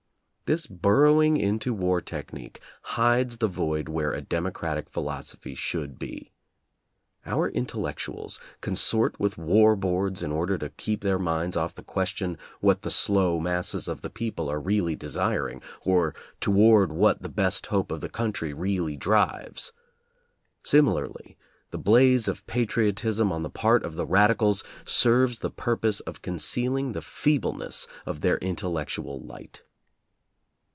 This burrowing into war technique hides the void where a democratic philosophy should be. Our intellectuals consort with war boards in order to keep their minds off the question what the slow masses of the people are really desiring, or toward what the best hope of the country really drives. Similarly the blaze of patriotism on the part of the radicals serves the purpose of concealing the feebleness of their intellectual light.